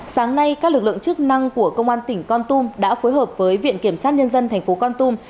sáng nay các lực lượng chức năng của công an tỉnh con tum đã phối hợp với viện kiểm sát nhân dân thành phố con tum